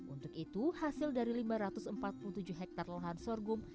untuk itu hasil dari lima ratus empat puluh tujuh hektare lahan sorghum